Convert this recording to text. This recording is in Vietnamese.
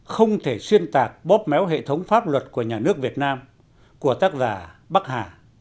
không thể xuyên tạc bóp méo hệ thống pháp luật của nhà nước việt nam của tác giả bắc hà